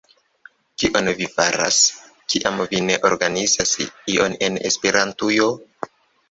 Kion vi faras, kiam vi ne organizas ion en Esperantujo?